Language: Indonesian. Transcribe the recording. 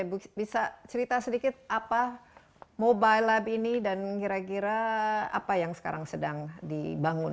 bisa cerita sedikit apa mobile lab ini dan kira kira apa yang sekarang sedang dibangun